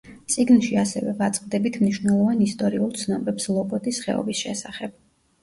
წიგნში ასევე ვაწყდებით მნიშვნელოვან ისტორიულ ცნობებს ლოპოტის ხეობის შესახებ.